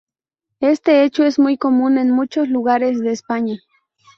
Este hecho es muy común en muchos lugares de España.